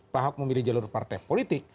pak ahok memilih jalur partai politik